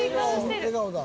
笑顔だ。